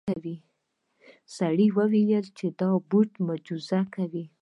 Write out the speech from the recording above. سړي وویل چې دا بت معجزه کوي.